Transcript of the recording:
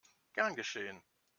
Gern geschehen!